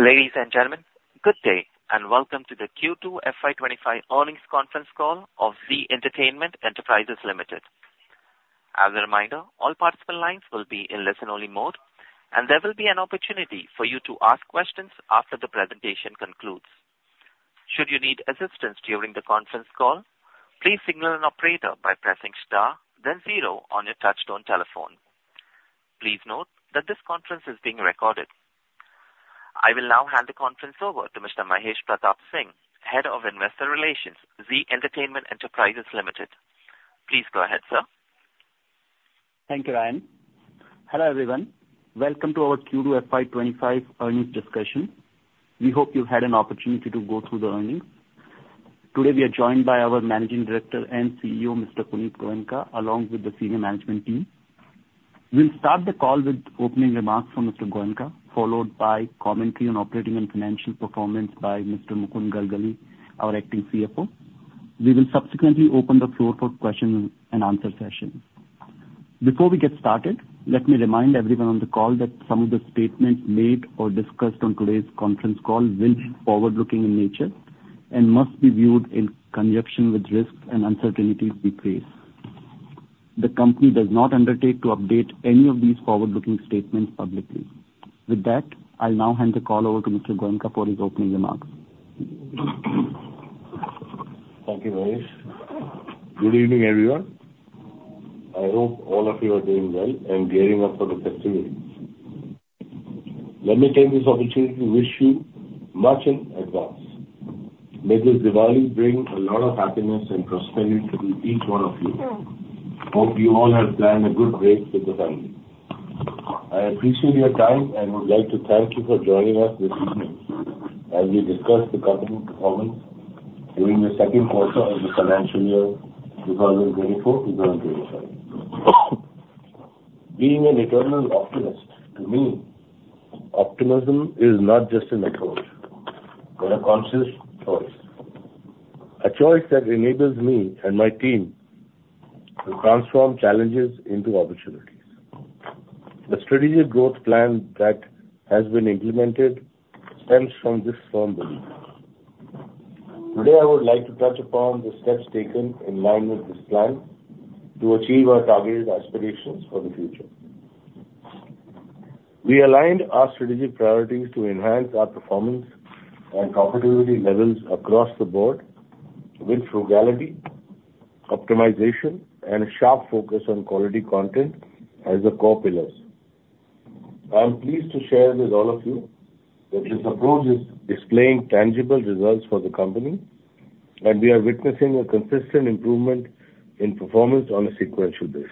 Ladies and gentlemen, good day, and welcome to the Q2 FY 2025 earnings conference call of Zee Entertainment Enterprises Limited. As a reminder, all participant lines will be in listen-only mode, and there will be an opportunity for you to ask questions after the presentation concludes. Should you need assistance during the conference call, please signal an operator by pressing star then zero on your touchtone telephone. Please note that this conference is being recorded. I will now hand the conference over to Mr. Mahesh Pratap Singh, Head of Investor Relations, Zee Entertainment Enterprises Limited. Please go ahead, sir. Thank you, Ryan. Hello, everyone. Welcome to our Q2 FY 2025 earnings discussion. We hope you had an opportunity to go through the earnings. Today, we are joined by our Managing Director and CEO, Mr. Punit Goenka, along with the senior management team. We'll start the call with opening remarks from Mr. Goenka, followed by commentary on operating and financial performance by Mr. Mukund Galgali, our acting CFO. We will subsequently open the floor for question and answer session. Before we get started, let me remind everyone on the call that some of the statements made or discussed on today's conference call will be forward-looking in nature and must be viewed in conjunction with risks and uncertainties we face. The company does not undertake to update any of these forward-looking statements publicly. With that, I'll now hand the call over to Mr. Goenka for his opening remarks. Thank you, Mahesh. Good evening, everyone. I hope all of you are doing well and gearing up for the festivities. Let me take this opportunity to wish you much in advance. May this Diwali bring a lot of happiness and prosperity to each one of you. Hope you all have planned a good break with the family. I appreciate your time and would like to thank you for joining us this evening as we discuss the company performance during the second quarter of the financial year 2024-2025. Being an eternal optimist, to me, optimism is not just an approach, but a conscious choice. A choice that enables me and my team to transform challenges into opportunities. The strategic growth plan that has been implemented stems from this firm belief. Today, I would like to touch upon the steps taken in line with this plan to achieve our targeted aspirations for the future. We aligned our strategic priorities to enhance our performance and profitability levels across the board with Frugality, Optimization, and a sharp Focus on Quality Content as the core pillars. I am pleased to share with all of you that this approach is displaying tangible results for the company, and we are witnessing a consistent improvement in performance on a sequential basis.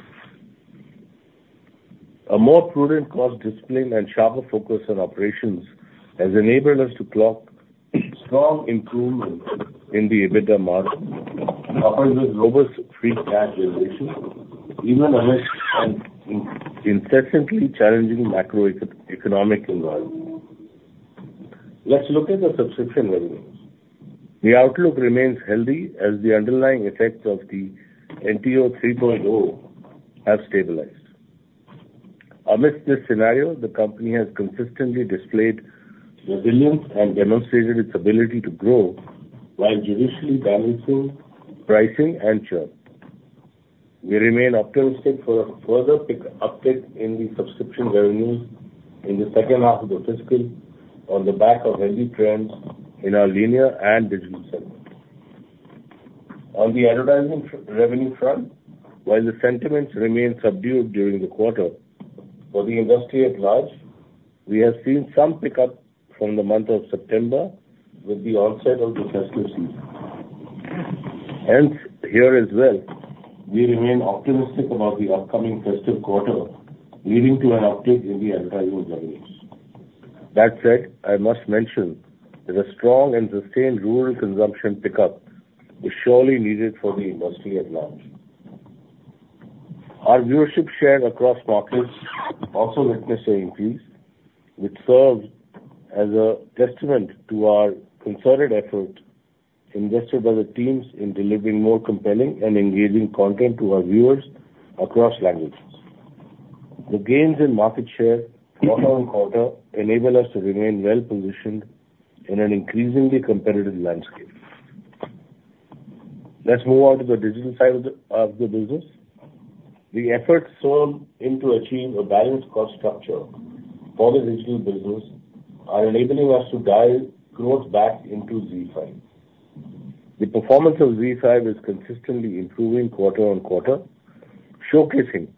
A more prudent cost discipline and sharper focus on operations has enabled us to clock strong improvement in the EBITDA margin, coupled with robust free cash generation, even amidst an incessantly challenging macroeconomic environment. Let's look at the subscription revenues. The outlook remains healthy as the underlying effects of the NTO 3.0 have stabilized. Amidst this scenario, the company has consistently displayed resilience and demonstrated its ability to grow while judiciously balancing pricing and churn. We remain optimistic for a further pick-up in the subscription revenues in the second half of the fiscal on the back of healthy trends in our linear and digital segment. On the advertising revenue front, while the sentiments remained subdued during the quarter, for the industry at large, we have seen some pickup from the month of September with the onset of the festive season. Hence, here as well, we remain optimistic about the upcoming festive quarter leading to an uptick in the advertising revenues. That said, I must mention that a strong and sustained rural consumption pickup is surely needed for the industry at large. Our viewership share across markets also witnessed an increase, which serves as a testament to our concerted effort invested by the teams in delivering more compelling and engaging content to our viewers across languages. The gains in market share quarter on quarter enable us to remain well-positioned in an increasingly competitive landscape. Let's move on to the digital side of the business. The efforts sown into achieving a balanced cost structure for the digital business are enabling us to drive growth back into ZEE5. The performance of ZEE5 is consistently improving quarter on quarter, showcasing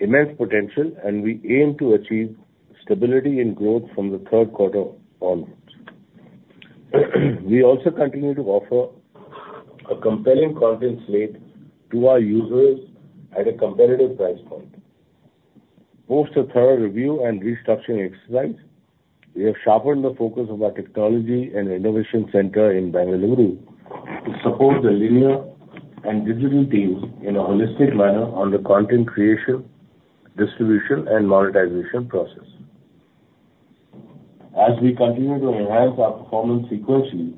immense potential, and we aim to achieve stability and growth from the third quarter onwards. We also continue to offer a compelling content slate to our users at a competitive price point. Post a thorough review and restructuring exercise, we have sharpened the focus of our Technology and Innovation Center in Bengaluru to support the linear and digital teams in a holistic manner on the content creation, distribution, and monetization process. As we continue to enhance our performance sequentially.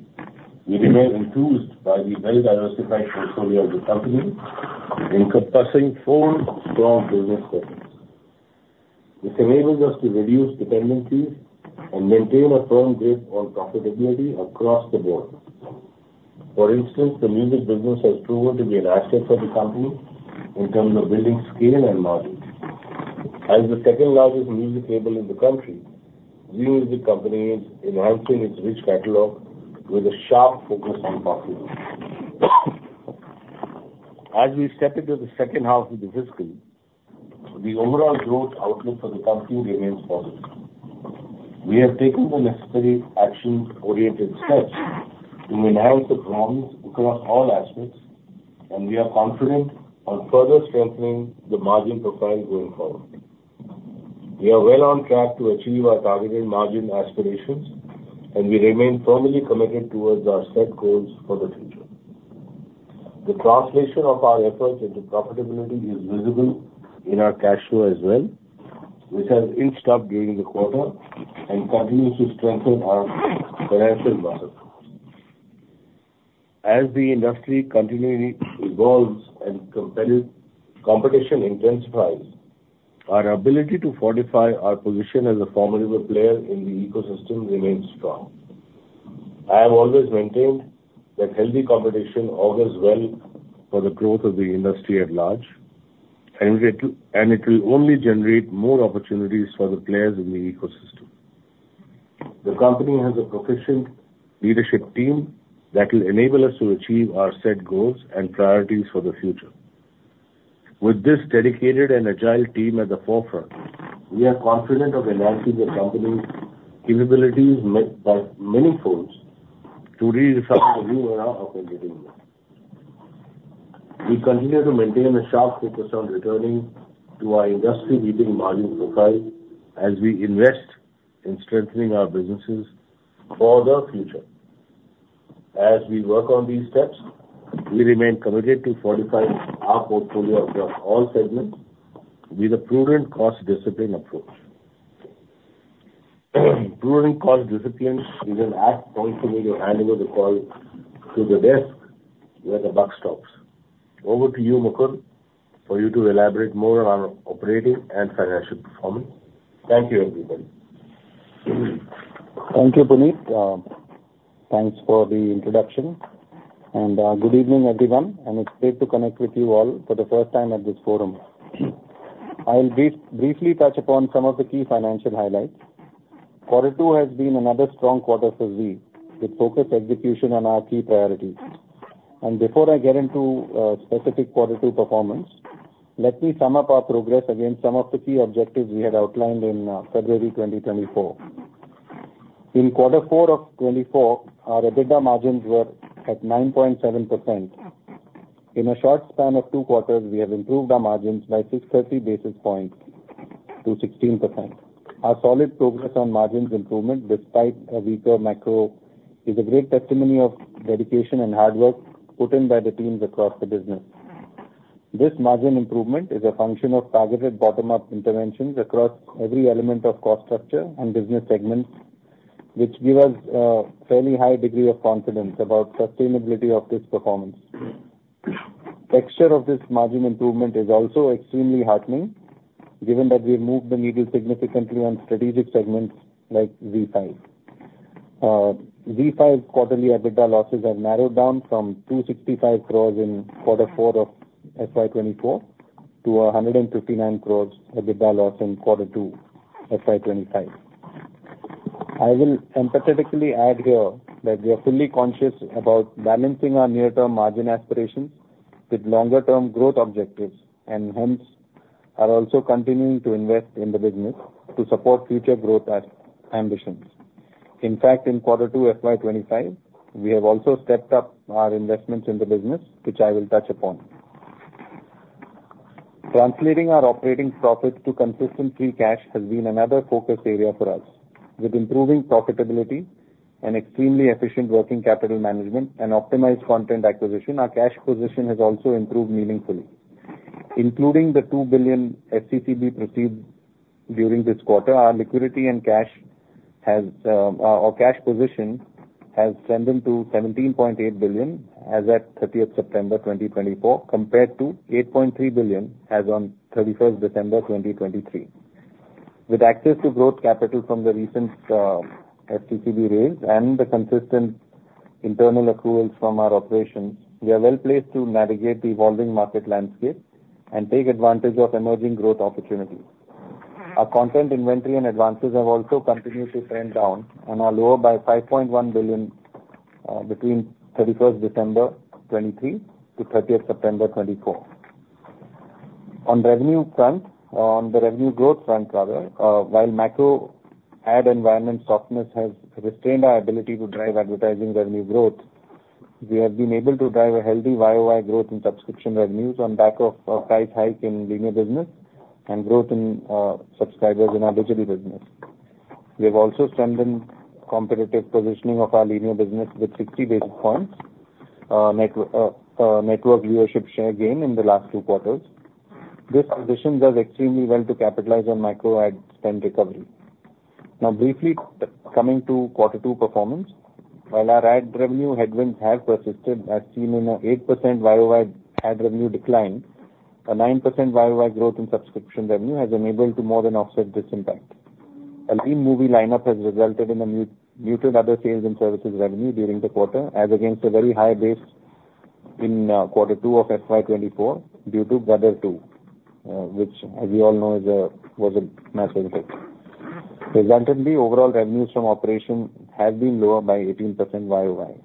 We remain enthused by the very diversified portfolio of the company, encompassing four strong business segments. This enables us to reduce dependencies and maintain a firm grip on profitability across the board. For instance, the music business has proven to be an asset for the company in terms of building scale and margins. As the second-largest music label in the country, Zee Music Company is enhancing its rich catalog with a sharp focus on profitability. As we step into the second half of the fiscal, the overall growth outlook for the company remains positive. We have taken the necessary action-oriented steps to enhance the performance across all aspects, and we are confident on further strengthening the margin profile going forward. We are well on track to achieve our targeted margin aspirations, and we remain firmly committed towards our set goals for the future. The translation of our efforts into profitability is visible in our cash flow as well, which has inched up during the quarter and continues to strengthen our financial muscle. As the industry continually evolves and competition intensifies, our ability to fortify our position as a formidable player in the ecosystem remains strong. I have always maintained that healthy competition augurs well for the growth of the industry at large, and it will only generate more opportunities for the players in the ecosystem. The company has a proficient leadership team that will enable us to achieve our set goals and priorities for the future. With this dedicated and agile team at the forefront, we are confident of enhancing the company's capabilities by many folds to redesign the new era of engagement. We continue to maintain a sharp focus on returning to our industry-leading margin profile as we invest in strengthening our businesses for the future. As we work on these steps, we remain committed to fortifying our portfolio across all segments with a prudent cost discipline approach. Prudent cost discipline is an apt point to me to hand over the call to the desk where the buck stops. Over to you, Mukund, for you to elaborate more on our operating and financial performance. Thank you, everybody. Thank you, Punit. Thanks for the introduction, and good evening, everyone, and it's great to connect with you all for the first time at this forum. I will briefly touch upon some of the key financial highlights. Quarter two has been another strong quarter for Zee, with focused execution on our key priorities. Before I get into specific quarter two performance, let me sum up our progress against some of the key objectives we had outlined in February 2024. In quarter four of 2024, our EBITDA margins were at 9.7%. In a short span of two quarters, we have improved our margins by 630 basis points to 16%. Our solid progress on margins improvement, despite a weaker macro, is a great testimony of dedication and hard work put in by the teams across the business. This margin improvement is a function of targeted bottom-up interventions across every element of cost structure and business segments, which give us fairly high degree of confidence about sustainability of this performance. Texture of this margin improvement is also extremely heartening, given that we've moved the needle significantly on strategic segments like ZEE5. ZEE5 quarterly EBITDA losses have narrowed down from 265 crores in quarter four of FY 2024 to 159 crores EBITDA loss in quarter two, FY 2025. I will emphatically add here that we are fully conscious about balancing our near-term margin aspirations with longer-term growth objectives, and hence, are also continuing to invest in the business to support future growth ambitions. In fact, in quarter two, FY 2025, we have also stepped up our investments in the business, which I will touch upon. Translating our operating profit to consistent free cash has been another focus area for us. With improving profitability and extremely efficient working capital management and optimized content acquisition, our cash position has also improved meaningfully. Including the 2 billion FCCB received during this quarter, our liquidity and cash has, our cash position has strengthened to 17.8 billion as at 30th September 2024, compared to 8.3 billion as on 31st December 2023. With access to growth capital from the recent, FCCB raise and the consistent internal accruals from our operations, we are well placed to navigate the evolving market landscape and take advantage of emerging growth opportunities. Our content inventory and advances have also continued to trend down and are lower by 5.1 billion, between 31st December 2023 to 30th September 2024. On revenue front, on the revenue growth front, rather, while macro ad environment softness has restrained our ability to drive advertising revenue growth, we have been able to drive a healthy YoY growth in subscription revenues on back of a price hike in linear business and growth in subscribers in our digital business. We have also strengthened competitive positioning of our linear business with 60 basis points network viewership share gain in the last two quarters. This position does extremely well to capitalize on macro ad spend recovery. Now, briefly coming to quarter two performance. While our ad revenue headwinds have persisted, as seen in an 8% YoY ad revenue decline, a 9% YoY growth in subscription revenue has enabled to more than offset this impact. A lean movie lineup has resulted in a muted other sales and services revenue during the quarter, as against a very high base in quarter two of FY 2024 due to Gadar 2, which, as you all know, was a massive hit. Resultantly, overall revenues from operation have been lower by 18% YoY.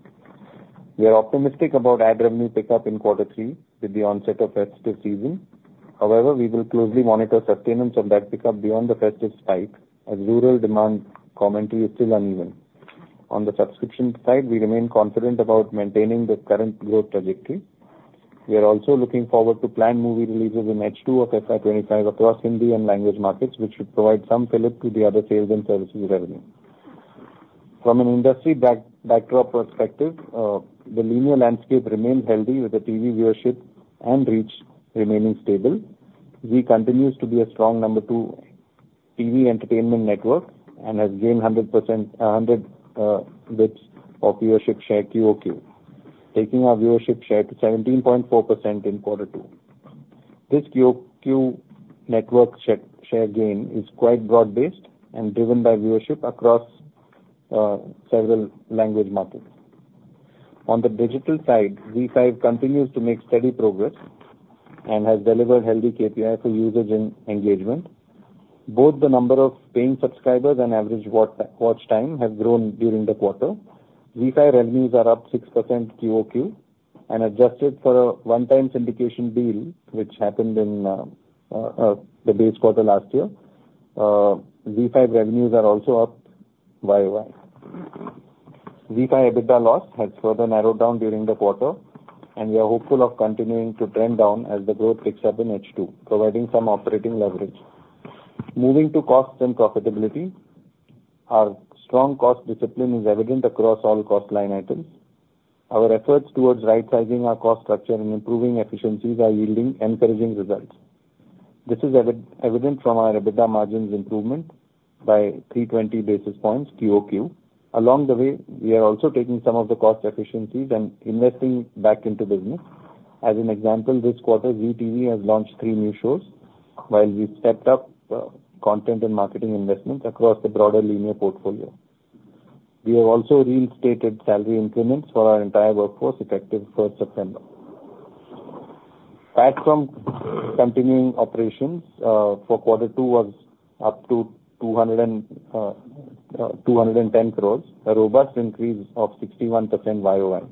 We are optimistic about ad revenue pickup in quarter three with the onset of festive season. However, we will closely monitor sustenance of that pickup beyond the festive spike, as rural demand commentary is still uneven. On the subscription side, we remain confident about maintaining the current growth trajectory. We are also looking forward to planned movie releases in H2 of FY 2025 across Hindi and language markets, which should provide some fillip to the other sales and services revenue. From an industry backdrop perspective, the linear landscape remains healthy, with the TV viewership and reach remaining stable. Zee continues to be a strong number two TV entertainment network and has gained 100 basis points of viewership share QoQ, taking our viewership share to 17.4% in quarter two. This QoQ network share gain is quite broad-based and driven by viewership across several language markets. On the digital side, ZEE5 continues to make steady progress and has delivered healthy KPI for usage and engagement. Both the number of paying subscribers and average watch time have grown during the quarter. ZEE5 revenues are up 6% QoQ, and adjusted for a one-time syndication deal which happened in the base quarter last year, ZEE5 revenues are also up YoY. ZEE5 EBITDA loss has further narrowed down during the quarter, and we are hopeful of continuing to trend down as the growth picks up in H2, providing some operating leverage. Moving to costs and profitability, our strong cost discipline is evident across all cost line items. Our efforts towards right-sizing our cost structure and improving efficiencies are yielding encouraging results. This is evident from our EBITDA margins improvement by 320 basis points QOQ. Along the way, we are also taking some of the cost efficiencies and investing back into business. As an example, this quarter, Zee TV has launched three new shows, while we've stepped up content and marketing investments across the broader linear portfolio. We have also reinstated salary increments for our entire workforce, effective 1st September. PAT from continuing operations for quarter two was up to 210 crores, a robust increase of 61% YoY.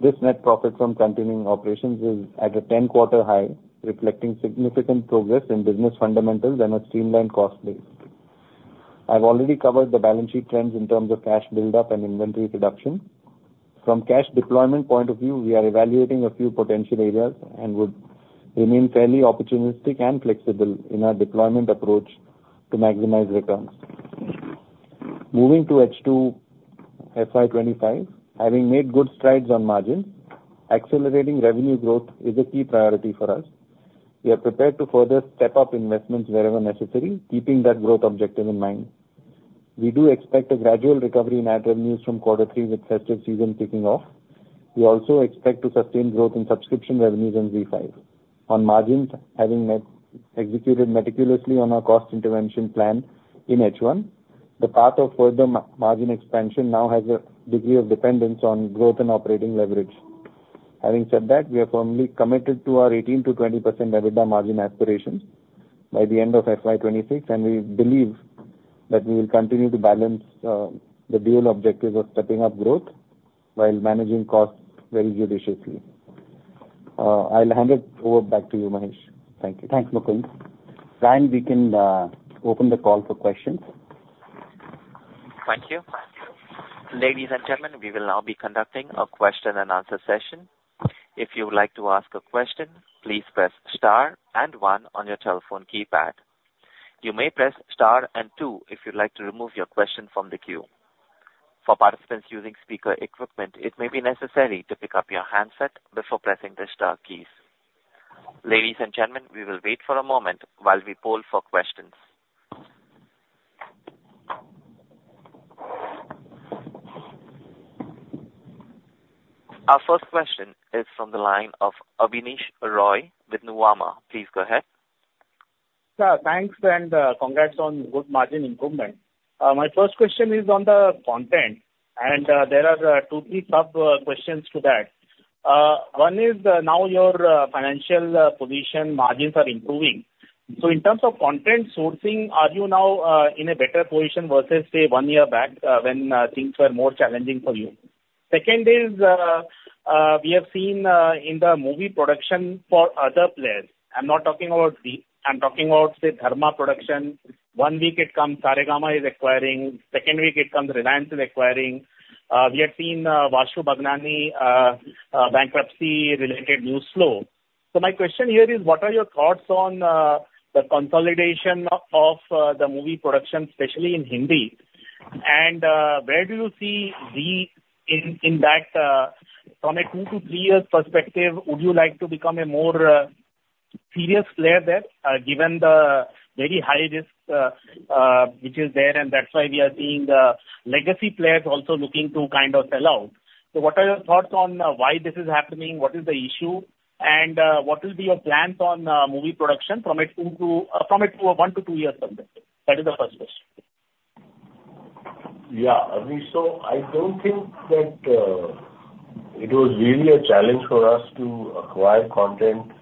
This net profit from continuing operations is at a 10-quarter high, reflecting significant progress in business fundamentals and a streamlined cost base. I've already covered the balance sheet trends in terms of cash build-up and inventory reduction. From cash deployment point of view, we are evaluating a few potential areas and would remain fairly opportunistic and flexible in our deployment approach to maximize returns. Moving to H2 FY 2025, having made good strides on margin, accelerating revenue growth is a key priority for us. We are prepared to further step up investments wherever necessary, keeping that growth objective in mind. We do expect a gradual recovery in ad revenues from quarter three, with festive season kicking off. We also expect to sustain growth in subscription revenues in ZEE5. On margins, having executed meticulously on our cost intervention plan in H1, the path of further margin expansion now has a degree of dependence on growth and operating leverage. Having said that, we are firmly committed to our 18%-20% EBITDA margin aspirations by the end of FY 2026, and we believe that we will continue to balance the dual objective of stepping up growth while managing costs very judiciously. I'll hand it over back to you, Mahesh. Thank you. Thanks, Mukund. Ryan, we can open the call for questions. Thank you. Ladies and gentlemen, we will now be conducting a question and answer session. If you would like to ask a question, please press star and one on your telephone keypad. You may press star and two if you'd like to remove your question from the queue. For participants using speaker equipment, it may be necessary to pick up your handset before pressing the star keys. Ladies and gentlemen, we will wait for a moment while we poll for questions. Our first question is from the line of Abneesh Roy with Nuvama. Please go ahead. Yeah, thanks, and congrats on good margin improvement. My first question is on the content, and there are two, three sub questions to that. One is, now your financial position margins are improving. So in terms of content sourcing, are you now in a better position versus, say, one year back, when things were more challenging for you? Second is, we have seen in the movie production for other players, I'm not talking about Zee, I'm talking about, say, Dharma Productions. One week it comes, Saregama is acquiring. Second week it comes, Reliance is acquiring. We have seen Vashu Bhagnani bankruptcy-related news flow. So my question here is: What are your thoughts on the consolidation of the movie production, especially in Hindi? And where do you see Zee in that from a two to three years perspective, would you like to become a more serious player there given the very high risk which is there, and that's why we are seeing the legacy players also looking to kind of sell out? So what are your thoughts on why this is happening? What is the issue? And what will be your plans on movie production from a one to two year perspective? That is the first question. Yeah, Abneesh so I don't think that it was really a challenge for us to acquire content.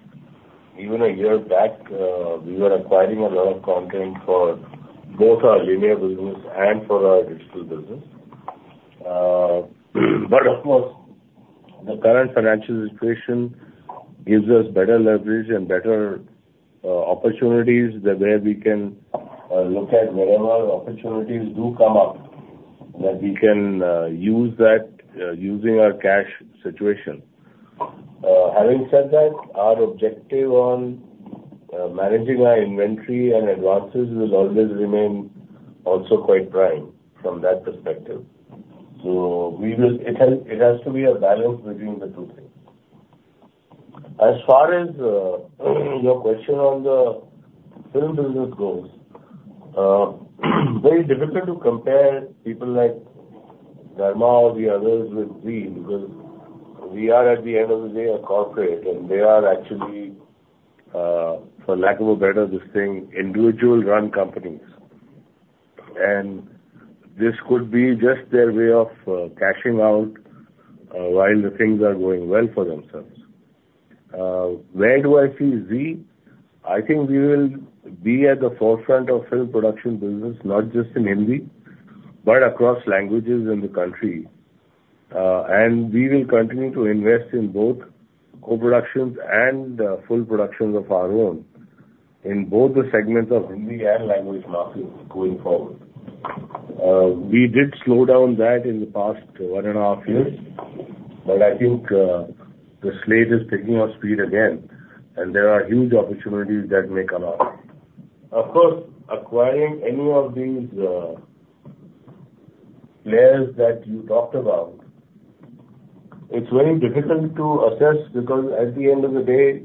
Even a year back, we were acquiring a lot of content for both our linear business and for our digital business. But of course, the current financial situation gives us better leverage and better opportunities where we can look at whatever opportunities do come up, that we can use that using our cash situation. Having said that, our objective on managing our inventory and advances will always remain also quite prime from that perspective. So it has to be a balance between the two things. As far as your question on the film business goes, very difficult to compare people like Dharma or the others with Zee, because we are, at the end of the day, a corporate, and they are actually, for lack of a better this thing, individual-run companies. And this could be just their way of cashing out while the things are going well for themselves. Where do I see Zee? I think we will be at the forefront of film production business, not just in Hindi, but across languages in the country. And we will continue to invest in both co-productions and full productions of our own in both the segments of Hindi and language markets going forward. We did slow down that in the past one and a half years, but I think, the slate is picking up speed again, and there are huge opportunities that may come up. Of course, acquiring any of these, players that you talked about, it's very difficult to assess, because at the end of the day,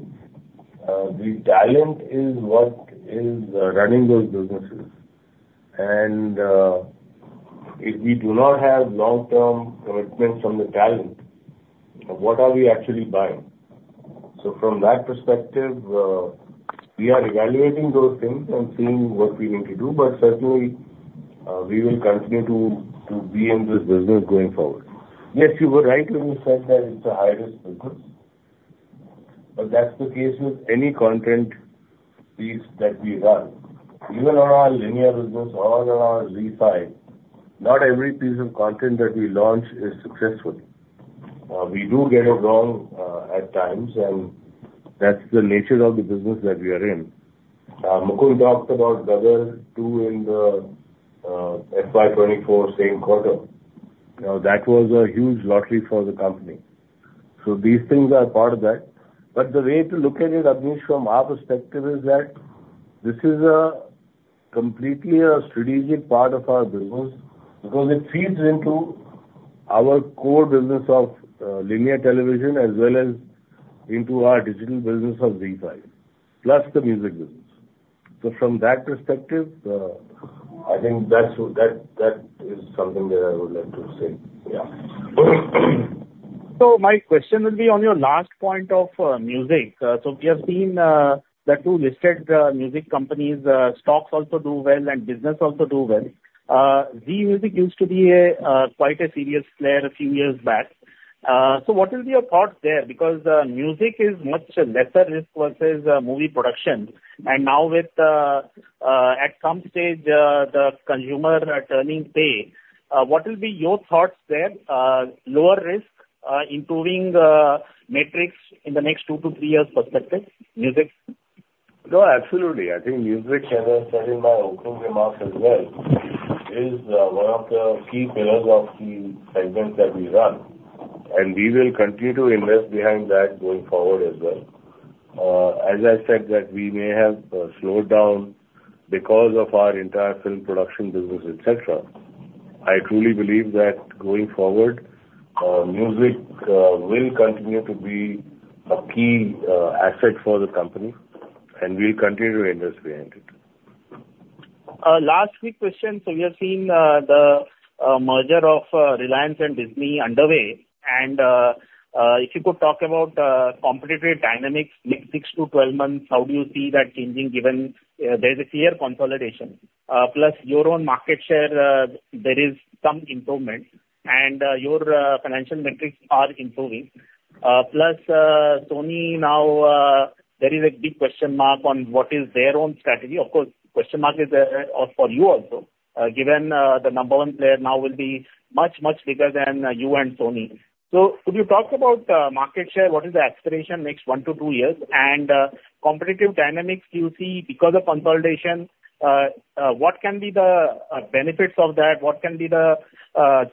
the talent is what is running those businesses, and if we do not have long-term commitments from the talent, what are we actually buying, so from that perspective, we are evaluating those things and seeing what we need to do, but certainly, we will continue to be in this business going forward. Yes, you were right when you said that it's a high-risk business, but that's the case with any content piece that we run. Even on our linear business or on our ZEE5, not every piece of content that we launch is successful. We do get it wrong at times, and that's the nature of the business that we are in. Mukund talked about Gadar 2 in the FY 2024 same quarter. Now, that was a huge lottery for the company. So these things are part of that. But the way to look at it, Abneesh, from our perspective, is that this is a completely a strategic part of our business, because it feeds into our core business of linear television as well as into our digital business of ZEE5, plus the music business. So from that perspective, I think that's what that is something that I would like to say. Yeah. So my question will be on your last point of music. So we have seen the two listed music companies stocks also do well and business also do well. Zee Music used to be a quite a serious player a few years back. So what is your thoughts there? Because music is much lesser risk versus movie production. And now with at some stage the consumer are turning pay, what will be your thoughts there, lower risk, improving the metrics in the next two to three years perspective, music? No, absolutely. I think music, as I said in my opening remarks as well, is one of the key pillars of the segments that we run, and we will continue to invest behind that going forward as well. As I said, that we may have slowed down because of our entire film production business, et cetera. I truly believe that going forward, music will continue to be a key asset for the company, and we'll continue to invest behind it. Last quick question. So we have seen the merger of Reliance and Disney underway, and if you could talk about competitive dynamics next six to 12 months, how do you see that changing, given there's a clear consolidation? Plus your own market share, there is some improvement, and your financial metrics are improving. Plus Sony now, there is a big question mark on what is their own strategy. Of course, question mark is there for you also, given the number one player now will be much, much bigger than you and Sony. So could you talk about market share, what is the aspiration next one to two years? And competitive dynamics you see because of consolidation, what can be the benefits of that? What can be the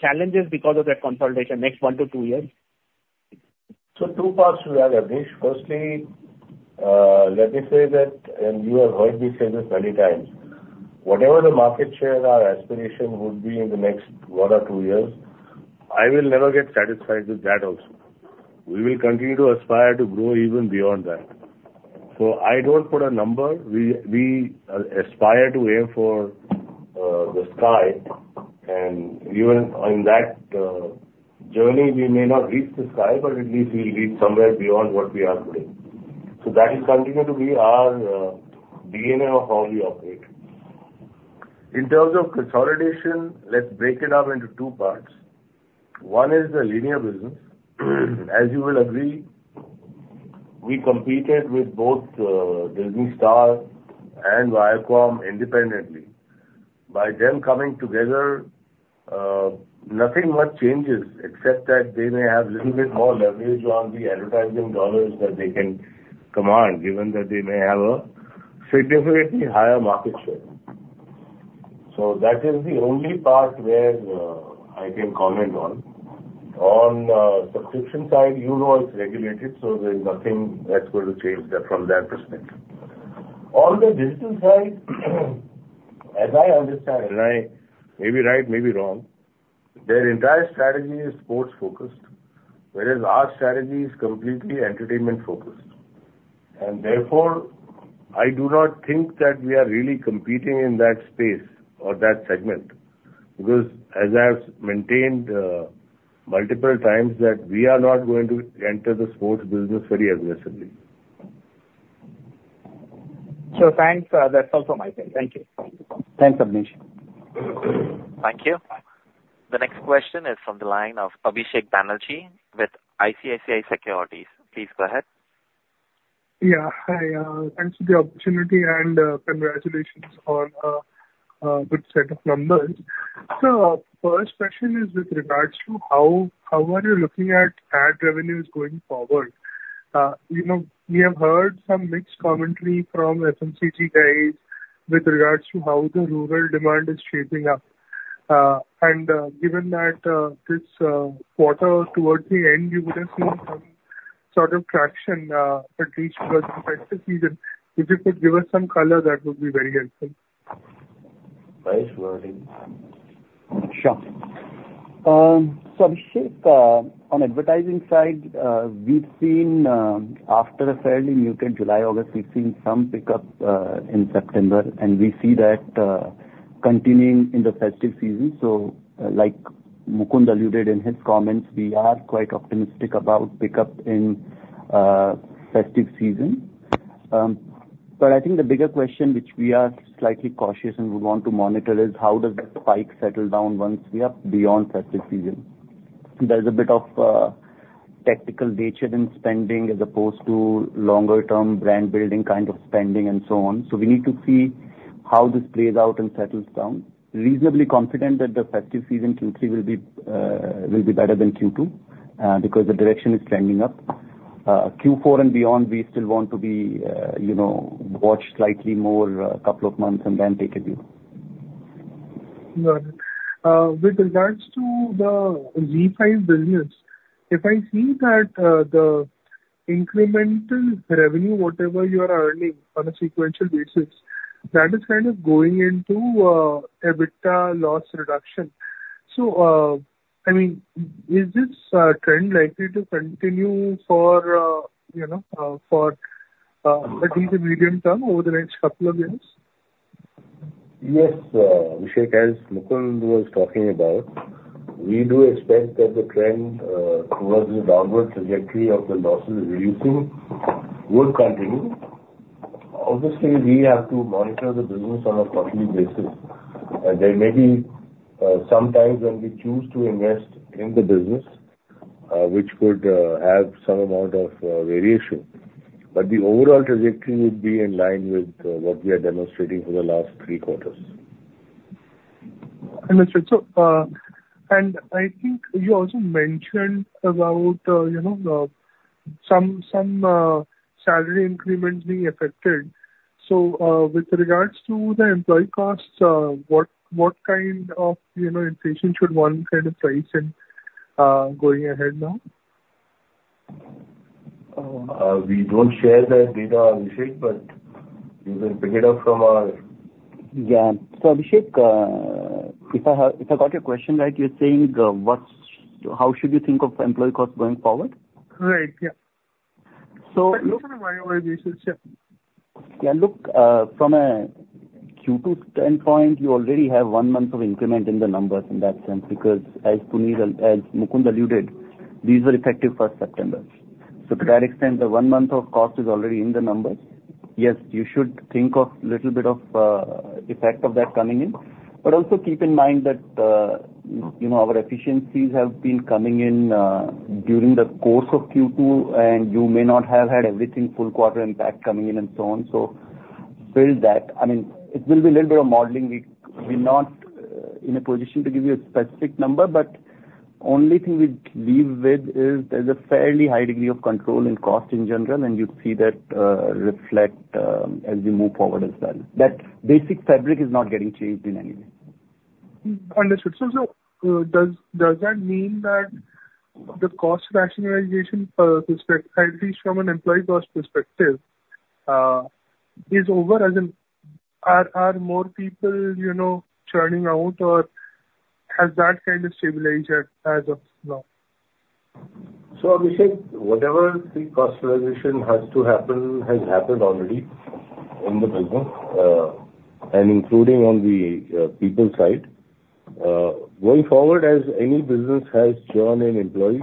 challenges because of that consolidation next one to two years? So two parts to that, Abneesh. Firstly, let me say that, and you have heard me say this many times, whatever the market share our aspiration would be in the next one or two years, I will never get satisfied with that also. We will continue to aspire to grow even beyond that. So I don't put a number. We aspire to aim for the sky, and even on that journey, we may not reach the sky, but at least we'll reach somewhere beyond what we are today. So that will continue to be our DNA of how we operate. In terms of consolidation, let's break it up into two parts. One is the linear business. As you will agree, we competed with both Disney Star and Viacom independently. By them coming together, nothing much changes, except that they may have little bit more leverage on the advertising dollars that they can command, given that they may have a significantly higher market share. So that is the only part where I can comment on. On subscription side, you know it's regulated, so there's nothing that's going to change that from that perspective. On the digital side, as I understand it, and I may be right, may be wrong, their entire strategy is sports-focused, whereas our strategy is completely entertainment-focused, and therefore I do not think that we are really competing in that space or that segment, because as I have maintained multiple times, that we are not going to enter the sports business very aggressively. So thanks, that's all from my side. Thank you. Thanks, Abneesh. Thank you. The next question is from the line of Abhishek Banerjee with ICICI Securities. Please go ahead. Yeah, hi, thanks for the opportunity, and, congratulations on a good set of numbers. So first question is with regards to how are you looking at ad revenues going forward? You know, we have heard some mixed commentary from FMCG guys with regards to how the rural demand is shaping up. And, given that, this quarter towards the end, you would have seen some sort of traction, at least for the festive season. If you could give us some color, that would be very helpful. Nice wording. Sure. So Abhishek, on advertising side, we've seen, after a fairly muted July, August, we've seen some pickup, in September, and we see that, continuing in the festive season. So like Mukund alluded in his comments, we are quite optimistic about pickup in, festive season. But I think the bigger question which we are slightly cautious and we want to monitor is: How does the spike settle down once we are beyond festive season? There's a bit of, tactical nature in spending as opposed to longer-term brand building kind of spending and so on. So we need to see how this plays out and settles down. Reasonably confident that the festive season Q3 will be, will be better than Q2, because the direction is trending up. Q4 and beyond, we still want to be, you know, watch slightly more, couple of months and then take a view. Right. With regards to the ZEE5 business, if I see that, the incremental revenue, whatever you are earning on a sequential basis, that is kind of going into, EBITDA loss reduction. So, I mean, is this trend likely to continue for, you know, for, at least the medium term, over the next couple of years? Yes, Abhishek, as Mukund was talking about, we do expect that the trend towards the downward trajectory of the losses reducing will continue. Obviously, we have to monitor the business on a quarterly basis, and there may be some times when we choose to invest in the business, which could have some amount of variation. But the overall trajectory would be in line with what we are demonstrating for the last three quarters. Understood. I think you also mentioned about, you know, some salary increments being affected. With regards to the employee costs, what kind of, you know, inflation should one kind of price in, going ahead now? We don't share that data, Abhishek, but you will pick it up from our. Yeah. So, Abhishek, if I got your question right, you're saying, what's... How should you think of employee costs going forward? Right. Yeah. So. On a YoY basis, yeah. Yeah, look, from a Q2 standpoint, you already have one month of increment in the numbers in that sense, because as Punit and as Mukund alluded, these were effective for September. So to that extent, the one month of cost is already in the numbers. Yes, you should think of little bit of effect of that coming in. But also keep in mind that, you know, our efficiencies have been coming in during the course of Q2, and you may not have had everything full quarter impact coming in and so on. So build that. I mean, it will be a little bit of modeling. We, we're not in a position to give you a specific number, but only thing we'd leave with is there's a fairly high degree of control in cost in general, and you'd see that reflect as we move forward as well. That basic fabric is not getting changed in any way. Understood. So, does that mean that the cost rationalization perspective, at least from an employee cost perspective, is over? As in, are more people, you know, churning out, or has that kind of stabilized as of now? So Abhishek, whatever the cost rationalization has to happen has happened already in the business, and including on the people side. Going forward, as any business has churn in employees,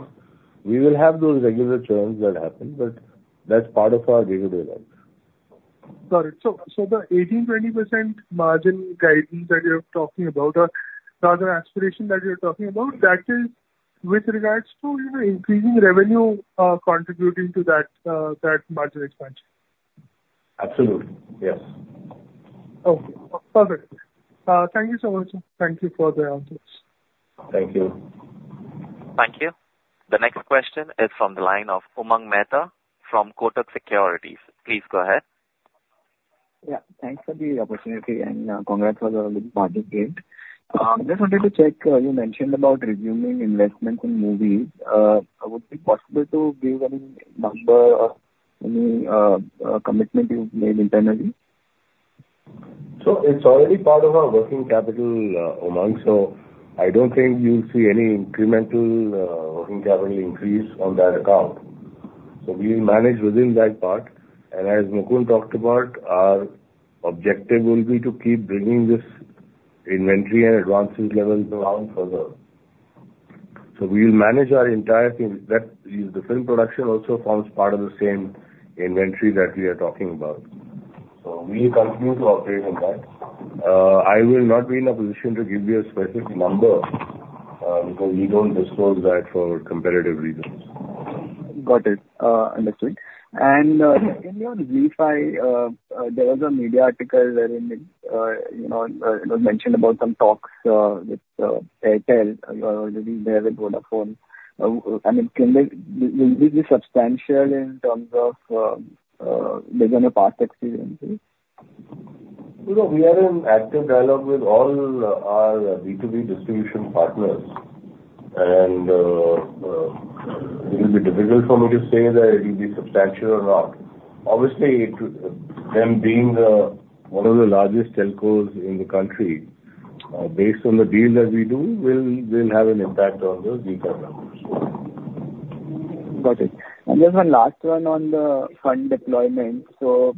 we will have those regular churns that happen, but that's part of our day-to-day life. Got it. So, so the 18%, 20% margin guidance that you're talking about, or rather aspiration that you're talking about, that is with regards to, you know, increasing revenue, contributing to that, that margin expansion? Absolutely, yes. Okay, perfect. Thank you so much. Thank you for the answers. Thank you. Thank you. The next question is from the line of Umang Mehta from Kotak Securities. Please go ahead. Yeah, thanks for the opportunity, and, congrats on the quarter, great. Just wanted to check, you mentioned about resuming investment in movies. Would it be possible to give any number or any commitment you've made internally? So it's already part of our working capital, Umang, so I don't think you'll see any incremental working capital increase on that account. So we manage within that part, and as Mukund talked about, our objective will be to keep bringing this inventory and advances levels down further. So we'll manage our entire team. That is, the film production also forms part of the same inventory that we are talking about, so we continue to operate on that. I will not be in a position to give you a specific number, because we don't disclose that for competitive reasons. Got it. Understood. And, in your ZEE5, there was a media article wherein it, you know, it was mentioned about some talks with Airtel. You are already there with Vodafone. I mean, will this be substantial in terms of, based on your past experiences? You know, we are in active dialogue with all our B2B distribution partners, and it will be difficult for me to say that it will be substantial or not. Obviously, with them being one of the largest telcos in the country, based on the deals that we do, will have an impact on those ZEE5 numbers. Got it. And just one last one on the fund deployment. So,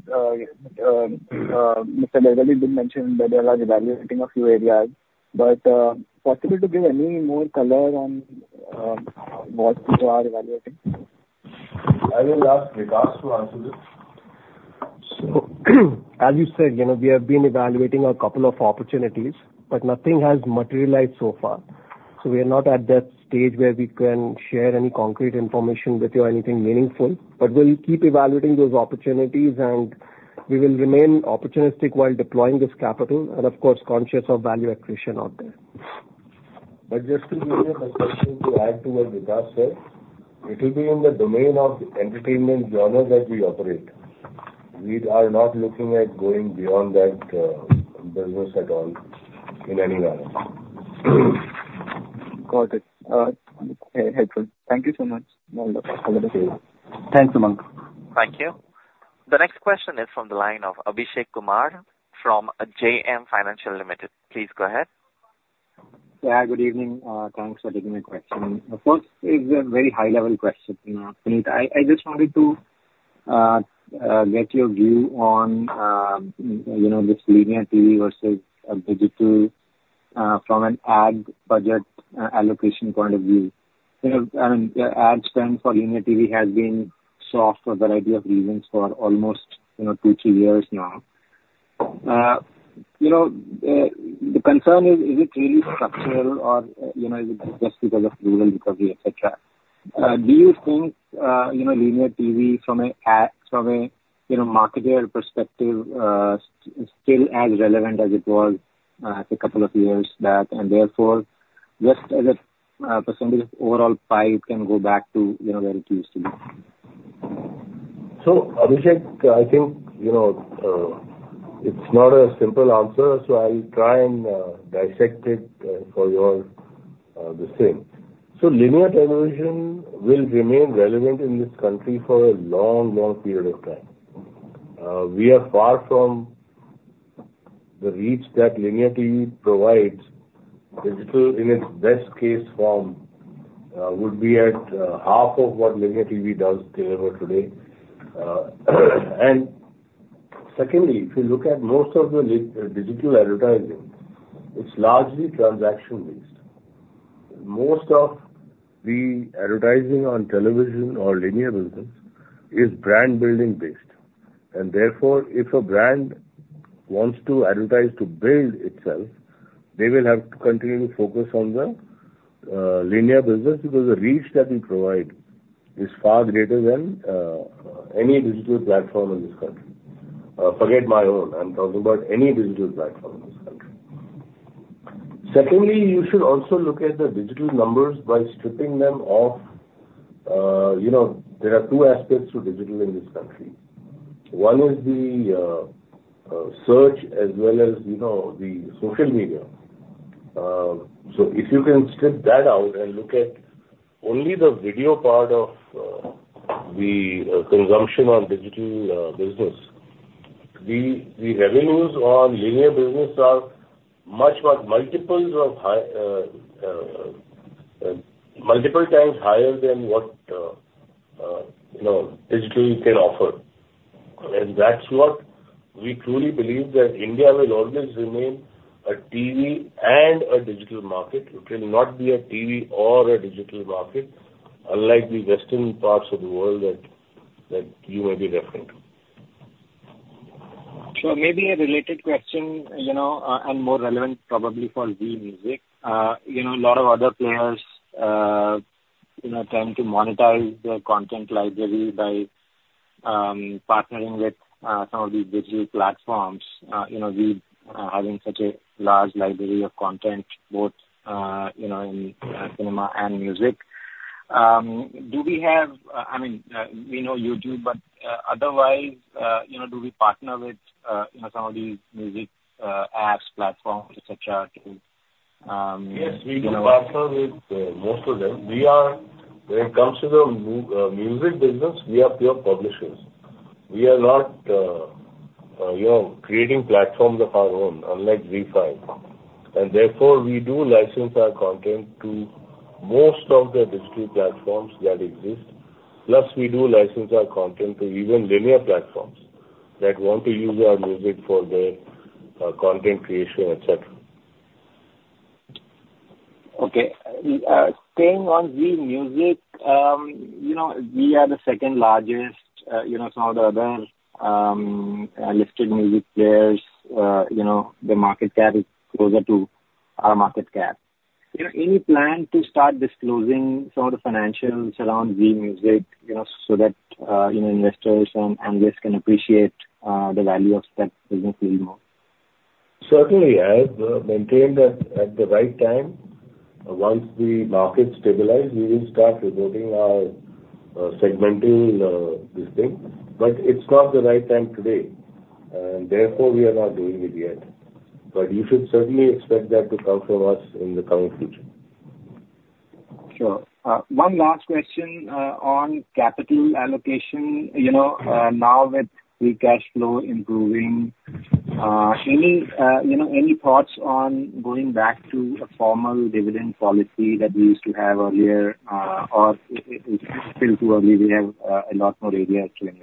Mr. Galgali did mention that you are evaluating a few areas, but possible to give any more color on what you are evaluating? I will ask Vikas to answer this. So as you said, you know, we have been evaluating a couple of opportunities, but nothing has materialized so far. So we are not at that stage where we can share any concrete information with you or anything meaningful, but we'll keep evaluating those opportunities, and we will remain opportunistic while deploying this capital, and of course, conscious of value accretion out there. But just to give you a perspective to add to what Vikas said, it will be in the domain of entertainment genre that we operate. We are not looking at going beyond that business at all in any manner. Got it. Helpful. Thank you so much. Thanks, Umang. Thank you. The next question is from the line of Abhishek Kumar from JM Financial Limited. Please go ahead. Yeah, good evening. Thanks for taking the question. The first is a very high-level question. You know, Punit, I just wanted to get your view on, you know, this linear TV versus digital from an ad budget allocation point of view. You know, and ad spend for linear TV has been soft for a variety of reasons for almost, you know, two, three years now. You know, the concern is, is it really structural or, you know, is it just because of rural recovery, et cetera? Do you think, you know, linear TV from a from a, you know, marketer perspective, still as relevant as it was, a couple of years back, and therefore, just as a percentage of overall pie, it can go back to, you know, where it used to be? So, Abhishek, I think, you know, it's not a simple answer, so I'll try and dissect it for your understanding. So linear television will remain relevant in this country for a long, long period of time. We are far from the reach that linear TV provides. Digital, in its best case form, would be at half of what linear TV does today, and secondly, if you look at most of the digital advertising, it's largely transaction based. Most of the advertising on television or linear business is brand building based, and therefore, if a brand wants to advertise to build itself, they will have to continue to focus on the linear business, because the reach that we provide is far greater than any digital platform in this country. Forget my own, I'm talking about any digital platform in this country. Secondly, you should also look at the digital numbers by stripping them off. You know, there are two aspects to digital in this country. One is the search as well as, you know, the social media. So if you can strip that out and look at only the video part of the consumption on digital business, the revenues on linear business are much, much multiples of high, multiple times higher than what you know, digital can offer. That's what we truly believe, that India will always remain a TV and a digital market. It will not be a TV or a digital market, unlike the western parts of the world that you may be referring to. Sure. Maybe a related question, you know, and more relevant probably for Zee Music. You know, a lot of other players, you know, trying to monetize their content library by partnering with some of these digital platforms. You know, we having such a large library of content, both you know in cinema and music. Do we have... I mean, we know YouTube, but otherwise, you know, do we partner with you know some of these music apps, platforms, et cetera, to you know- Yes, with most of them. We are, when it comes to the music business, we are pure publishers. We are not, you know, creating platforms of our own, unlike ZEE5. And therefore, we do license our content to most of the digital platforms that exist. Plus, we do license our content to even linear platforms that want to use our music for their content creation, et cetera. Okay. Staying on Zee Music, you know, we are the second largest, you know, some of the other, listed music players, you know, their market cap is closer to our market cap. You know, any plan to start disclosing some of the financials around Zee Music, you know, so that, you know, investors and analysts can appreciate, the value of that business a little more? Certainly, yes. We have maintained that at the right time, once the market stabilize, we will start reporting our, segmenting, this thing. But it's not the right time today, and therefore, we are not doing it yet. But you should certainly expect that to come from us in the coming future. Sure. One last question on capital allocation. You know, now with the cash flow improving, you know, any thoughts on going back to a formal dividend policy that we used to have earlier, or it's still too early, we have a lot more areas to?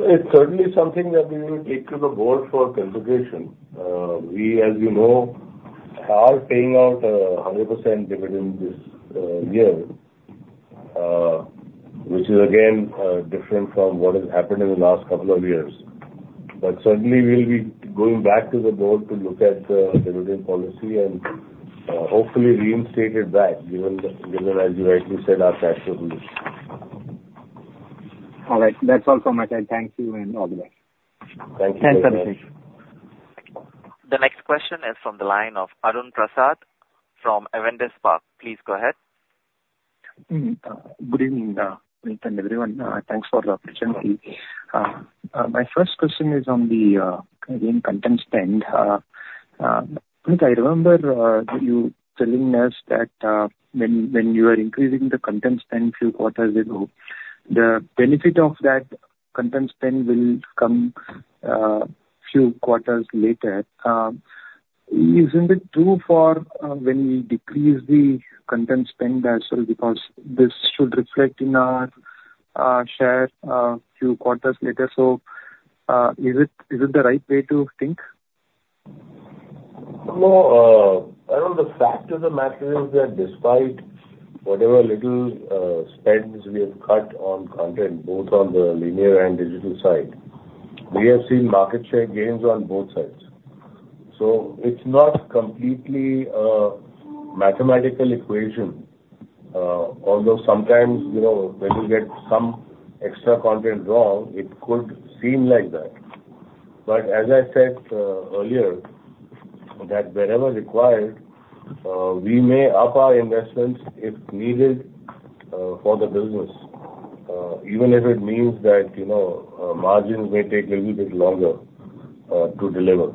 It's certainly something that we will take to the board for consideration. We, as you know, are paying out 100% dividend this year, which is again different from what has happened in the last couple of years, but certainly, we'll be going back to the board to look at the dividend policy and hopefully reinstate it back, given, as you rightly said, our. All right. That's all from my side. Thank you, and all the best. Thank you very much. Thanks, Abhishek. The next question is from the line of Arun Prasath from Avendus Spark. Please go ahead. Good evening, Punit, everyone. Thanks for the opportunity. My first question is on the, again, content spend. Punit, I remember you telling us that when you are increasing the content spend few quarters ago, the benefit of that content spend will come few quarters later. Isn't it true for when we decrease the content spend as well? Because this should reflect in our share few quarters later. So, is it the right way to think? No, Arun, the fact of the matter is that despite whatever little spends we have cut on content, both on the linear and digital side, we have seen market share gains on both sides. So it's not completely mathematical equation. Although sometimes, you know, when you get some extra content wrong, it could seem like that. But as I said earlier, that wherever required, we may up our investments if needed for the business, even if it means that, you know, margins may take a little bit longer to deliver.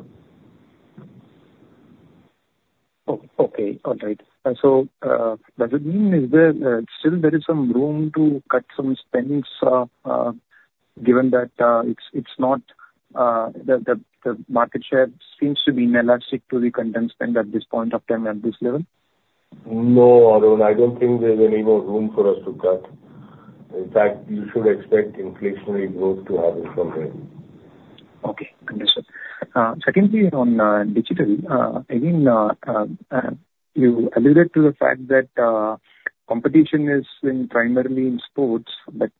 Oh, okay. All right. And so, does it mean there is still some room to cut some spend, given that the market share seems to be inelastic to the content spend at this point of time, at this level? No, Arun, I don't think there's any more room for us to cut. In fact, you should expect inflationary growth to happen from here. Okay. Understood. Secondly, on digital, again, you alluded to the fact that competition is primarily in sports, but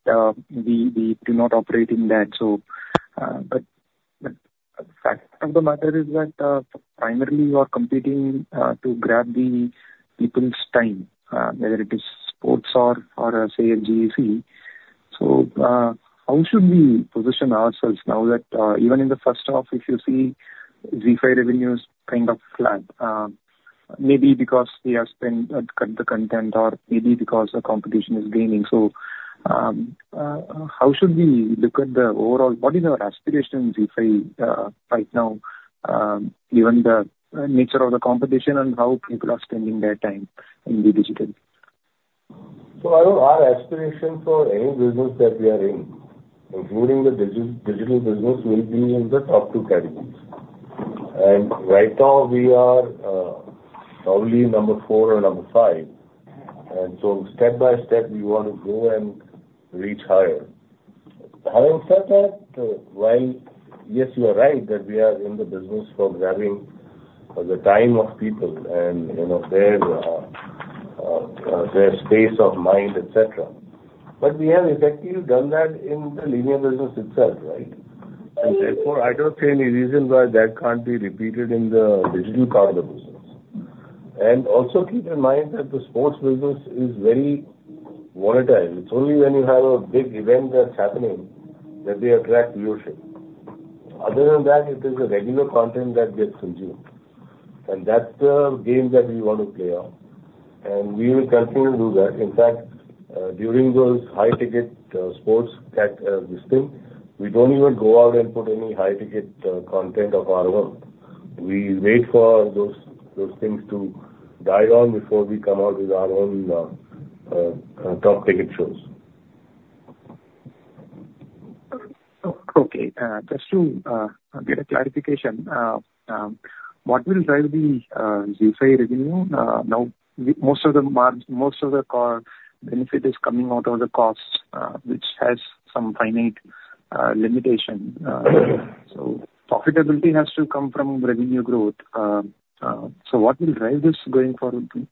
we do not operate in that. So, but fact of the matter is that primarily you are competing to grab the people's time, whether it is sports or, say, a GEC. So, how should we position ourselves now that even in the first half, if you see, ZEE5 revenue's is kind of flat? Maybe because we have spent, cut the content or maybe because the competition is gaining. So, how should we look at the overall, what is our aspirations if I right now, given the nature of the competition and how people are spending their time in the digital? Arun, our aspiration for any business that we are in, including the digital business, will be in the top two categories. Right now, we are probably number four or number five, and step by step, we want to go and reach higher. Having said that, while yes, you are right that we are in the business for grabbing the time of people and, you know, their space of mind, et cetera, but we have effectively done that in the linear business itself, right? Therefore, I don't see any reason why that can't be repeated in the digital part of the business. Also keep in mind that the sports business is very monetized. It's only when you have a big event that's happening that we attract viewership. Other than that, it is a regular content that gets consumed, and that's the game that we want to play on, and we will continue to do that. In fact, during those high-ticket sports category, this thing, we don't even go out and put any high-ticket content of our own. We wait for those things to die down before we come out with our own top-ticket shows. Oh, okay. Just to get a clarification, what will drive the ZEE5 revenue? Now, most of the core benefit is coming out of the costs, which has some finite limitation. So profitability has to come from revenue growth, so what will drive this going forward, too?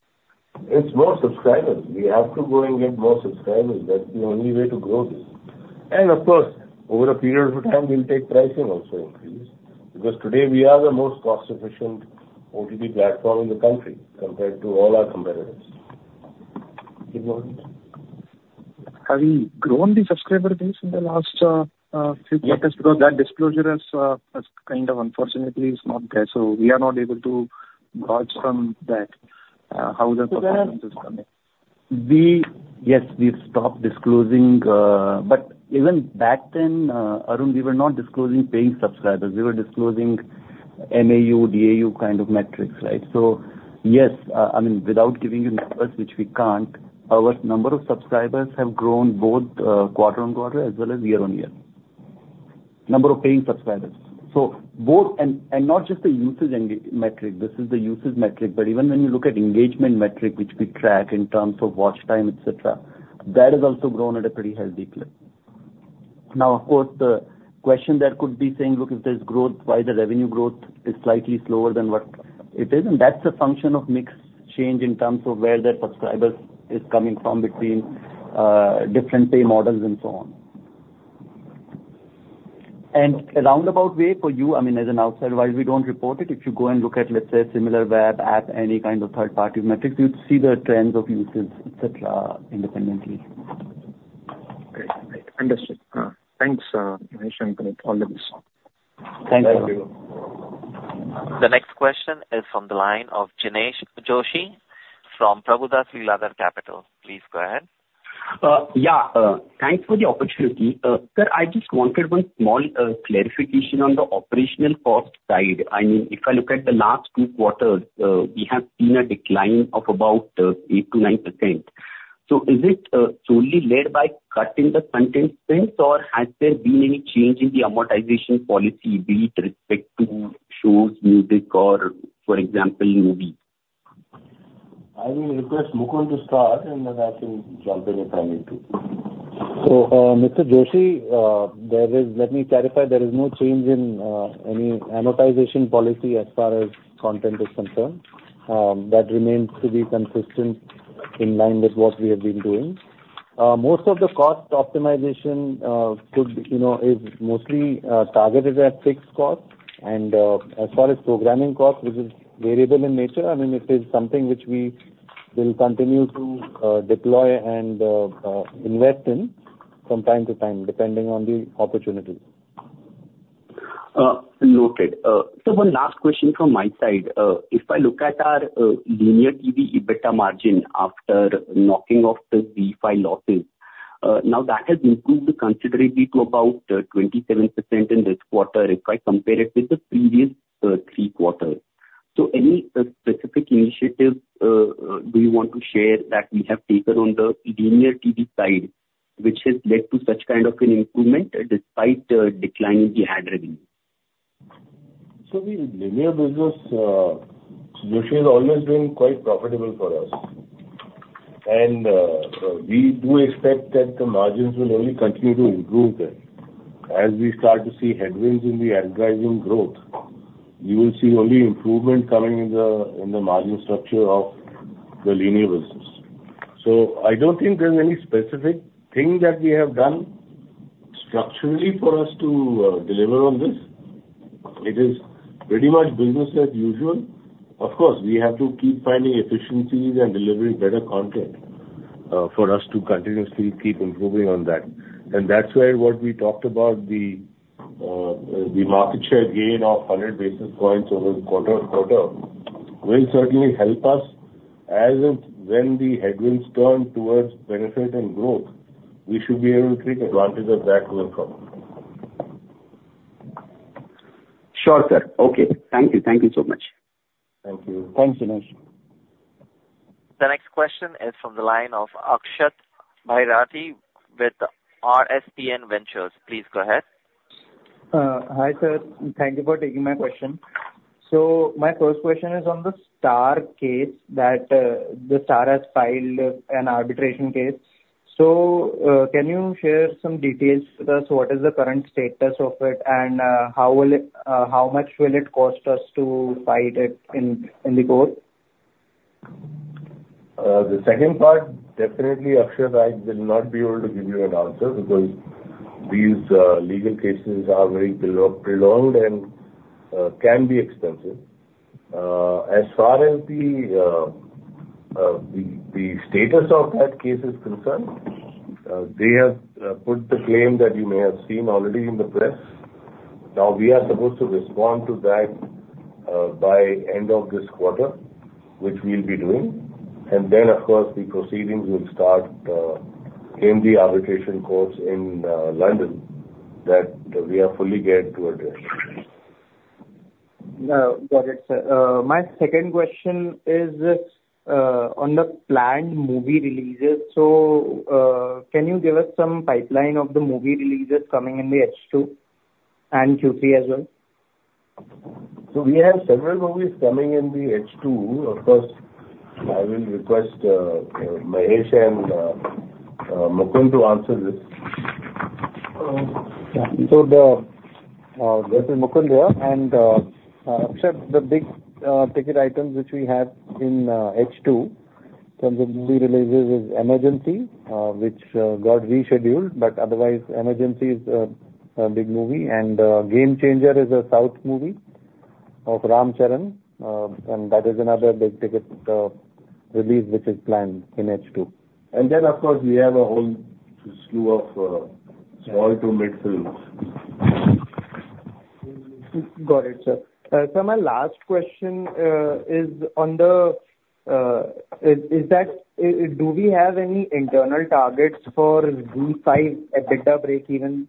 It's more subscribers. We have to go and get more subscribers. That's the only way to grow this. And of course, over a period of time, we'll take pricing also increase, because today we are the most cost-efficient OTT platform in the country compared to all our competitors. Keep going. Have you grown the subscriber base in the last few quarters? Yes. Because that disclosure has kind of unfortunately is not there, so we are not able to gauge from that, how the performance is coming. Yes, we've stopped disclosing, but even back then, Arun, we were not disclosing paying subscribers. We were disclosing MAU, DAU kind of metrics, right? So yes, I mean, without giving you numbers, which we can't, our number of subscribers have grown both quarter on quarter as well as year on year. Number of paying subscribers. So both. And not just the usage metric, this is the usage metric, but even when you look at engagement metric, which we track in terms of watch time, et cetera, that has also grown at a pretty healthy clip. Now, of course, the question there could be saying, "Look, if there's growth, why the revenue growth is slightly slower than what it is?" And that's a function of mix change in terms of where the subscribers is coming from between different pay models and so on. A roundabout way for you, I mean, as an outsider, while we don't report it, if you go and look at, let's say, Similarweb app, any kind of third-party metrics, you'd see the trends of usage, et cetera, independently. Great. Understood. Thanks, Mahesh and Punit, all the best. Thank you. Thank you. The next question is from the line of Jinesh Joshi from Prabhudas Lilladher Capital. Please go ahead. Yeah, thanks for the opportunity. Sir, I just wanted one small clarification on the operational cost side. I mean, if I look at the last two quarters, we have seen a decline of about 8%-9%. So is it solely led by cuts in the content space, or has there been any change in the amortization policy, be it with respect to shows, music, or for example, movies? I will request Mukund to start, and then I can jump in if I need to. So, Mr. Joshi, let me clarify. There is no change in any amortization policy as far as content is concerned. That remains to be consistent in line with what we have been doing. Most of the cost optimization could, you know, is mostly targeted at fixed cost. And, as far as programming cost, which is variable in nature, I mean, it is something which we will continue to deploy and invest in from time to time, depending on the opportunity. Noted. So one last question from my side. If I look at our linear TV EBITDA margin after knocking off the ZEE5 losses, now that has improved considerably to about 27% in this quarter if I compare it with the previous three quarters. So any specific initiatives do you want to share that we have taken on the linear TV side, which has led to such kind of an improvement despite the decline in the ad revenue? So the linear business, Joshi, has always been quite profitable for us. And, we do expect that the margins will only continue to improve there. As we start to see headwinds in the advertising growth, you will see only improvement coming in the margin structure of the linear business. So I don't think there's any specific thing that we have done structurally for us to deliver on this. It is pretty much business as usual. Of course, we have to keep finding efficiencies and delivering better content.... for us to continuously keep improving on that. And that's where what we talked about the market share gain of 100 basis points over quarter-on-quarter will certainly help us. As of when the headwinds turn towards benefit and growth, we should be able to take advantage of that going forward. Sure, sir. Okay. Thank you. Thank you so much. Thank you. Thanks, Jinesh. The next question is from the line of Akshat Bairathi with RSPN Ventures. Please go ahead. Hi, sir. Thank you for taking my question. So my first question is on the Star case, that the Star has filed an arbitration case. So, can you share some details with us, what is the current status of it, and how much will it cost us to fight it in the court? The second part, definitely, Akshat, I will not be able to give you an answer because these legal cases are very prolonged and can be expensive. As far as the status of that case is concerned, they have put the claim that you may have seen already in the press. Now, we are supposed to respond to that by end of this quarter, which we'll be doing. And then, of course, the proceedings will start in the arbitration courts in London, that we are fully geared to address. Got it, sir. My second question is on the planned movie releases. So, can you give us some pipeline of the movie releases coming in the H2 and Q3 as well? So we have several movies coming in the H2. Of course, I will request Mahesh and Mukund to answer this. This is Mukund here, and, Akshat, the big ticket items which we have in H2 in terms of movie releases is Emergency, which got rescheduled, but otherwise, Emergency is a big movie. And Game Changer is a South movie of Ram Charan, and that is another big ticket release which is planned in H2. And then, of course, we have a whole slew of small to mid films. Got it, sir. Sir, my last question is on that. Do we have any internal targets for ZEE5 EBITDA breakeven,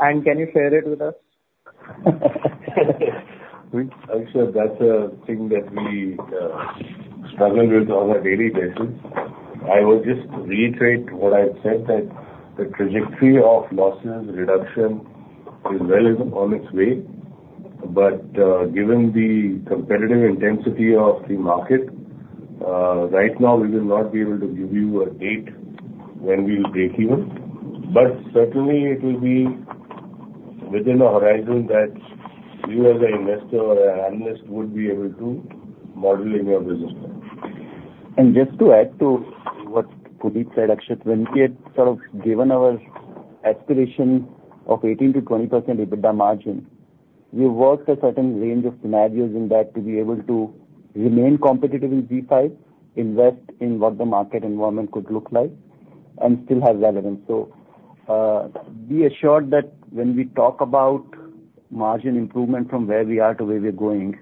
and can you share it with us? Akshat, that's a thing that we, struggle with on a daily basis. I would just reiterate what I've said, that the trajectory of losses reduction is well on its way. But, given the competitive intensity of the market, right now, we will not be able to give you a date when we will breakeven. But certainly it will be within the horizon that you as a investor or an analyst would be able to model in your business plan. And just to add to what Punit said, Akshat, when we had sort of given our aspiration of 18%-20% EBITDA margin, we worked a certain range of scenarios in that to be able to remain competitive in ZEE5, invest in what the market environment could look like and still have relevance. So, be assured that when we talk about margin improvement from where we are to where we're going,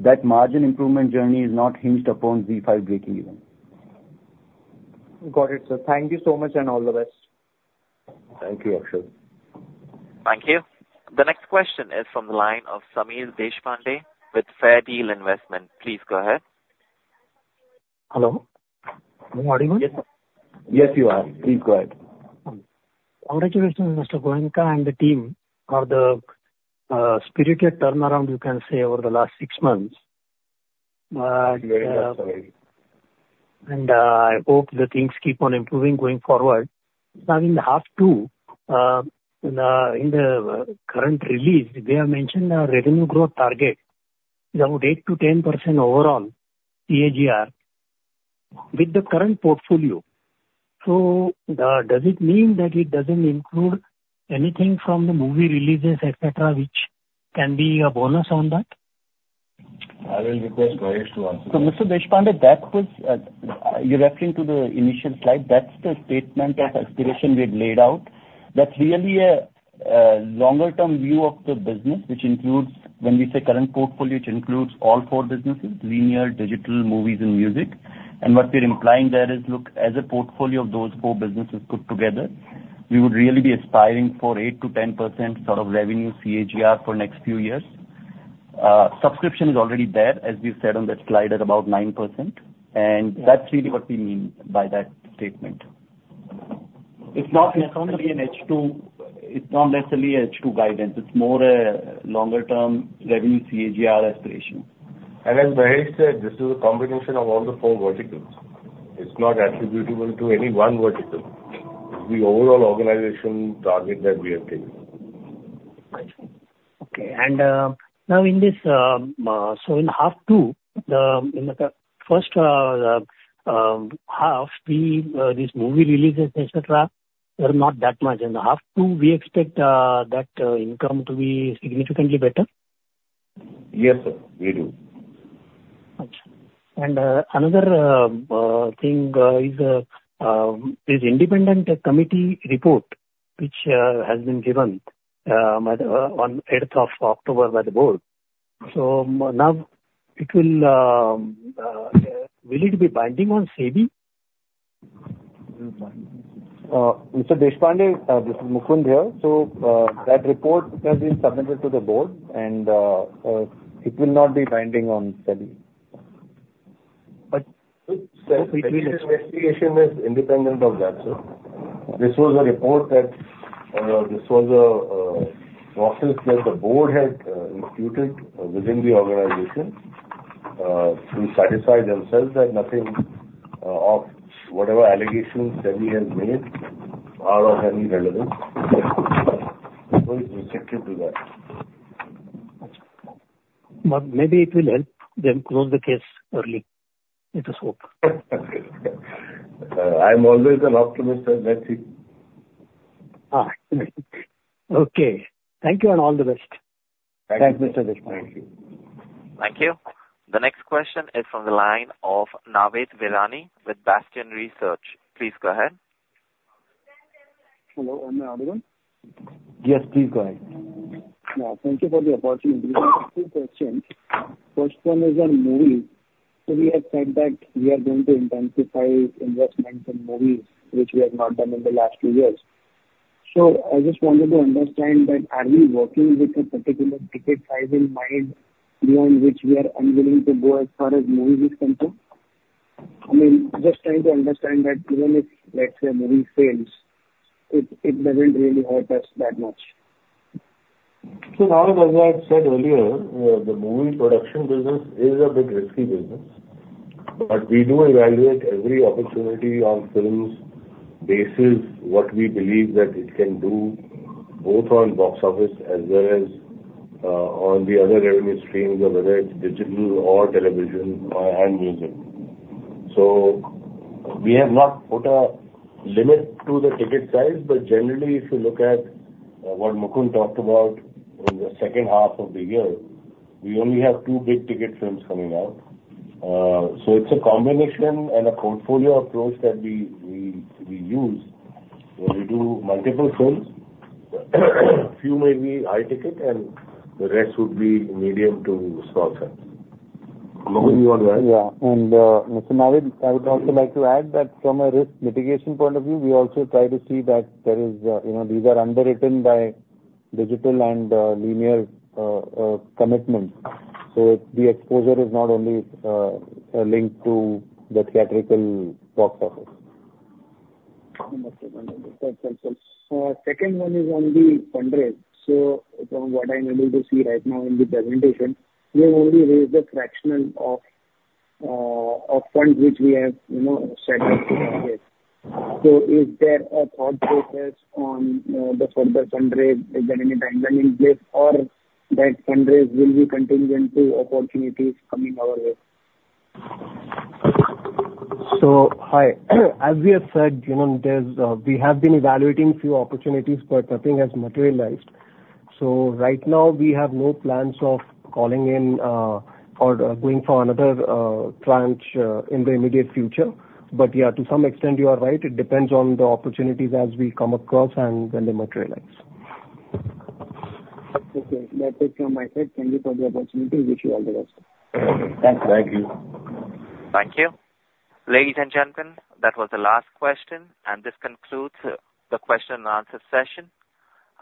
that margin improvement journey is not hinged upon ZEE5 breakeven. Got it, sir. Thank you so much, and all the best. Thank you, Akshat. Thank you. The next question is from the line of Sameer Deshpande with FairDeal Investments. Please go ahead. Hello. Am I audible? Yes, you are. Please go ahead. Congratulations, Mr. Goenka and the team, for the spirited turnaround, you can say, over the last six months. Thank you. I hope the things keep on improving going forward. Now, in the half two, in the current release, they have mentioned a revenue growth target is about 8%-10% overall CAGR with the current portfolio. So, does it mean that it doesn't include anything from the movie releases, et cetera, which can be a bonus on that? I will request Mahesh to answer that. So Mr. Deshpande, that was, you're referring to the initial slide. That's the statement of aspiration we had laid out. That's really a longer term view of the business, which includes, when we say current portfolio, it includes all four businesses: linear, digital, movies and music. And what we're implying there is, look, as a portfolio of those four businesses put together, we would really be aspiring for 8%-10% sort of revenue CAGR for next few years. Subscription is already there, as we've said on the slide, at about 9%, and that's really what we mean by that statement. It's not necessarily an H2... It's not necessarily a H2 guidance. It's more a longer term revenue CAGR aspiration. As Mahesh said, this is a combination of all the four verticals. It's not attributable to any one vertical. It's the overall organization target that we have taken. I see. Okay. And, now in this, so in half two, the, in the first, half, the, this movie releases, et cetera, were not that much. In the half two, we expect, that, income to be significantly better? Yes, sir, we do. Another thing is this independent committee report, which has been given by the board on the 8th of October by the board. So now, will it be binding on SEBI? Mr. Deshpande, this is Mukund here, so that report has been submitted to the board, and it will not be binding on SEBI. But. The investigation is independent of that, sir. This was a process that the board had instituted within the organization to satisfy themselves that nothing of whatever allegations SEBI has made are of any relevance. So it's objective to that. But maybe it will help them close the case early. It is hope. I'm always an optimist, sir. Let's see. Ah, okay. Thank you, and all the best. Thank you. Thanks, Mr. Deshpande. Thank you. The next question is from the line of Navid Virani with Bastion Research. Please go ahead. Hello, am I audible? Yes, please go ahead. Yeah, thank you for the opportunity. Two questions. First one is on movies. So we have said that we are going to intensify investments in movies, which we have not done in the last two years. So I just wanted to understand that, are we working with a particular ticket size in mind beyond which we are unwilling to go as far as movies is concerned? I mean, just trying to understand that even if, let's say, a movie fails, it doesn't really hurt us that much. Navid, as I said earlier, the movie production business is a big risky business. But we do evaluate every opportunity on films basis, what we believe that it can do, both on box office as well as on the other revenue streams, or whether it's digital or television or, and music. So we have not put a limit to the ticket size, but generally, if you look at what Mukund talked about in the second half of the year, we only have two big ticket films coming out. So it's a combination and a portfolio approach that we use, where we do multiple films. A few may be high ticket, and the rest would be medium to small films. Mukund, you want to add? Yeah. And, so Mr. Navid, I would also like to add that from a risk mitigation point of view, we also try to see that there is, you know, these are underwritten by digital and linear commitments. So the exposure is not only linked to the theatrical box office. Okay, wonderful. That's helpful. Second one is on the fundraise. So from what I'm able to see right now in the presentation, we have only raised a fraction of funds, which we have, you know, set out to raise. So is there a thought process on the further fundraise? Is there any timeline in place, or that fundraise will be contingent to opportunities coming our way? So, hi. As we have said, you know, there's. We have been evaluating few opportunities, but nothing has materialized. So right now, we have no plans of calling in, or going for another, tranche, in the immediate future. But, yeah, to some extent, you are right. It depends on the opportunities as we come across and when they materialize. Okay. That's it from my side. Thank you for the opportunity. Wish you all the best. Okay. Thank you. Thank you. Ladies and gentlemen, that was the last question, and this concludes the question and answer session.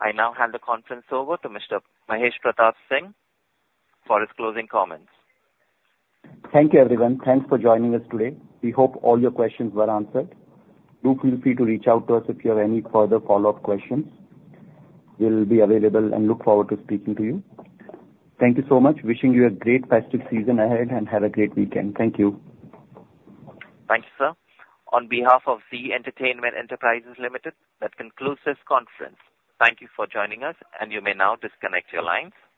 I now hand the conference over to Mr. Mahesh Pratap Singh for his closing comments. Thank you, everyone. Thanks for joining us today. We hope all your questions were answered. Feel free to reach out to us if you have any further follow-up questions. We'll be available and look forward to speaking to you. Thank you so much. Wishing you a great festive season ahead, and have a great weekend. Thank you. Thank you, sir. On behalf of Zee Entertainment Enterprises Limited, that concludes this conference. Thank you for joining us, and you may now disconnect your lines.